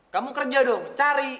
kamu kerja dong cari